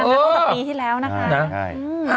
ตั้งแต่ปีที่แล้วนะคะ